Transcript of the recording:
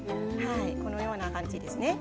このような感じですね。